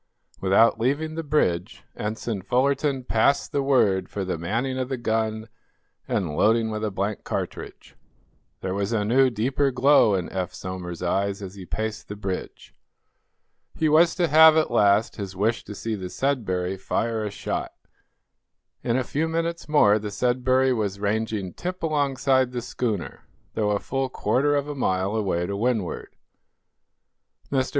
Without leaving the bridge Ensign Fullerton passed the word for the manning of the gun and loading with a blank cartridge. There was a new, deeper glow in Eph Somers's eyes as he paced the bridge. He was to have, at last, his wish to see the "Sudbury" fire a shot. In a few minutes more the "Sudbury" was ranging tip alongside the schooner, though a full quarter of a mile away to windward. "Mr.